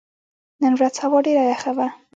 نن ورځ هوا ډېره یخه وه.